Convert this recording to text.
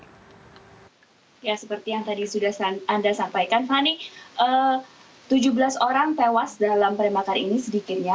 ya seperti yang tadi sudah anda sampaikan fani tujuh belas orang tewas dalam penembakan ini sedikitnya